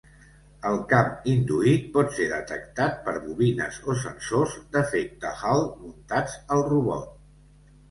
El camp induït pot ser detectat per bobines o sensors d'efecte Hall muntats al robot.